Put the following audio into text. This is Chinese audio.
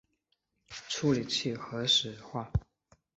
处理器核初始化